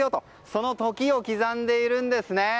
その時を刻んでいるんですね。